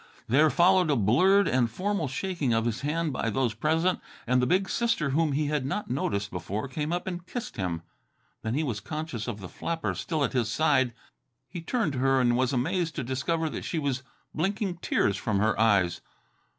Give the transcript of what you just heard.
There followed a blurred and formal shaking of his hand by those present, and the big sister whom he had not noticed before came up and kissed him. Then he was conscious of the flapper still at his side. He turned to her and was amazed to discover that she was blinking tears from her eyes.